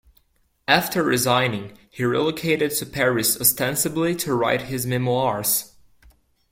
After resigning, he relocated to Paris ostensibly to write his memoirs.